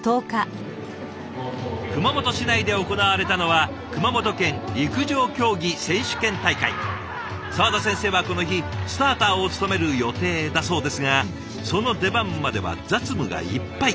熊本市内で行われたのは沢田先生はこの日スターターを務める予定だそうですがその出番までは雑務がいっぱい。